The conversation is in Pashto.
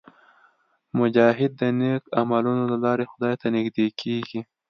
مجاهد د نیک عملونو له لارې خدای ته نږدې کېږي.